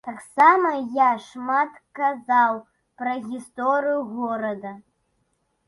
Таксама я шмат казаў пра гісторыю горада.